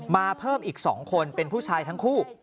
เพิ่มอีก๒คนเป็นผู้ชายทั้งคู่